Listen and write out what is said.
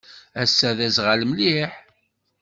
Ass-a d azɣal mliḥ.